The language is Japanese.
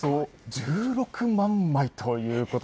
１６万枚？